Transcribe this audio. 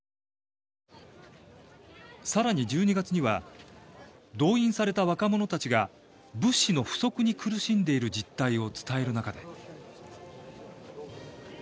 さらに１２月には動員された若者たちが物資の不足に苦しんでいる実態を伝える中で。